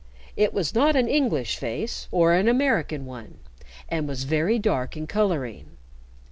It was not an English face or an American one, and was very dark in coloring.